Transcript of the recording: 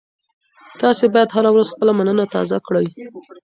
تاسي باید هره ورځ خپله مننه تازه کړئ.